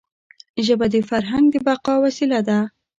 ژبه د فرهنګ د بقا وسیله ده.